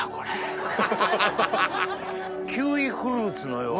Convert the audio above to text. キウイフルーツのような。